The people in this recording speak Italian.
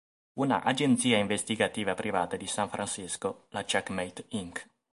Una agenzia investigativa privata di San Francisco, la "Checkmate Inc.